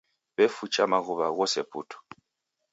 W'efucha maghuwa ghose putu.